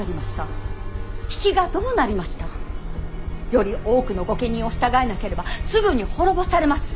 より多くの御家人を従えなければすぐに滅ぼされます。